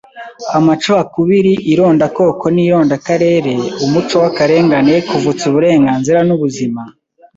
amacakubiri, irondakoko n’irondakarere, umuco w’akarengane kuvutsa uburenganzira n’ubuzima